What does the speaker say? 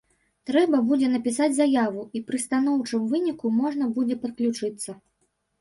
Трэба будзе напісаць заяву, і пры станоўчым выніку можна будзе падключыцца.